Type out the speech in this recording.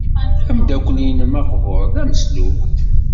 Ameddakel-nnem aqbur d ameslub.